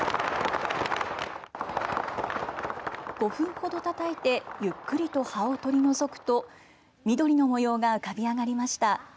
５分ほどたたいてゆっくりと葉を取り除くと緑の模様が浮かび上がりました。